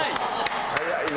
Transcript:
はい！